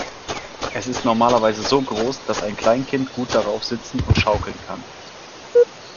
Es ist normalerweise so groß, dass ein Kleinkind gut darauf sitzen und schaukeln kann.